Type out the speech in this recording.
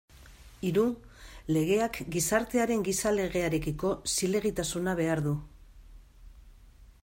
Hiru, legeak gizartearen gizalegearekiko zilegitasuna behar du.